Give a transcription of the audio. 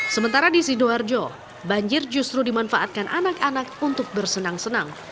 sementara di sidoarjo banjir justru dimanfaatkan anak anak untuk bersenang senang